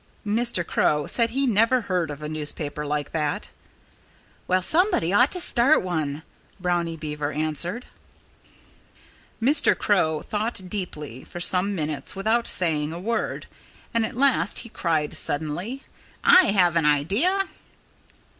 Mr. Crow said he never heard of a newspaper like that. "Well, somebody ought to start one," Brownie Beaver answered. Mr. Crow thought deeply for some minutes without saying a word. And at last He cried suddenly: "I have an idea!"